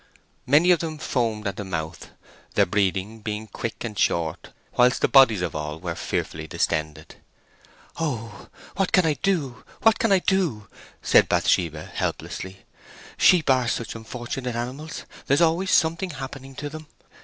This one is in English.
Many of them foamed at the mouth, their breathing being quick and short, whilst the bodies of all were fearfully distended. "Oh, what can I do, what can I do!" said Bathsheba, helplessly. "Sheep are such unfortunate animals!—there's always something happening to them!